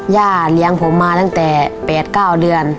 ย่าเลี้ยงผมมาตั้งแต่๘๙เดือน